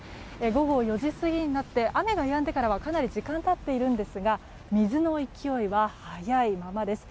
午後４時過ぎになって雨がやんでからかなり時間が経っているんですが水の勢いは速いままです。